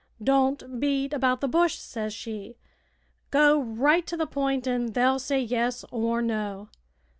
'Don't beat about the bush,' says she. 'Go right to th' point an' they'll say yes or no."